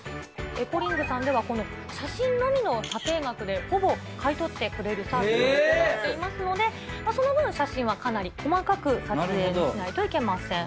エコリングさんでは、写真のみの査定額でほぼ買い取ってくれるサービスとなっていますので、その分、写真はかなり細かく撮影しないといけません。